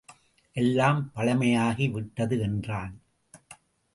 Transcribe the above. எல்லாம் பழமையாகி விட்டது என்றான்.